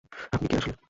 আপনি কে আসলে?